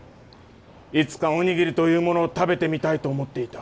いつかお握りというものを食べてみたいと思っていた。